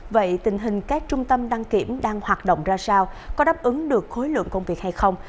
vậy tình hình các trung tâm đăng kiểm đang hoạt động ra sao có đáp ứng được khối lượng công việc hay không